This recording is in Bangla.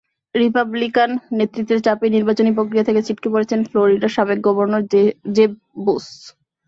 রিপাবলিকান নেতৃত্বের চাপেই নির্বাচনী প্রক্রিয়া থেকে ছিটকে পড়েছেন ফ্লোরিডার সাবেক গভর্নর জেব বুশ।